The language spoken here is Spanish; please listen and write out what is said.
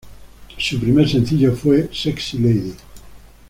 Su primer sencillo fue "Sexy Lady".